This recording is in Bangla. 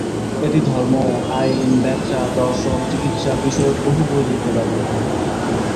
এটি ধর্ম, আইন, ব্যবসা, দর্শন ও চিকিৎসা বিষয়ক বহু বই লিখতে ব্যবহৃত হত।